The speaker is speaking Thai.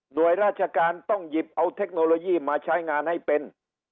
โดยราชการต้องหยิบเอาเทคโนโลยีมาใช้งานให้เป็น